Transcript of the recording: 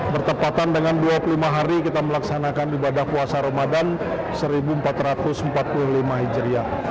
bertepatan dengan dua puluh lima hari kita melaksanakan ibadah puasa ramadan seribu empat ratus empat puluh lima hijriah